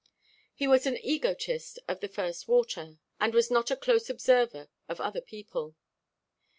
He was an egotist of the first water, and was not a close observer of other people.